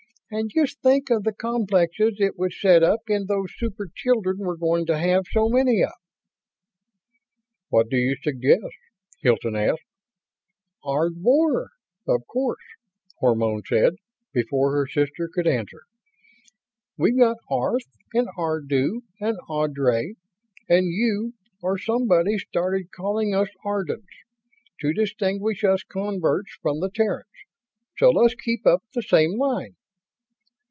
And just think of the complexes it would set up in those super children we're going to have so many of." "What would you suggest?" Hilton asked. "'Ardvor', of course," Hermione said, before her sister could answer. "We've had 'Arth' and 'Ardu' and 'Ardry' and you or somebody started calling us 'Ardans' to distinguish us converts from the Terrans. So let's keep up the same line."